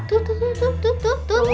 tuh tuh tuh tuh tuh tuh